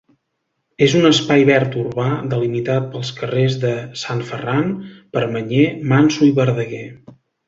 És un espai verd urbà, delimitat pels carrers de Sant Ferran, Permanyer, Manso i Verdaguer.